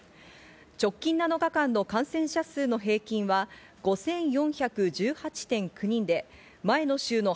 直近７日間の感染者数の平均は５４１８．９人で前の週の８２．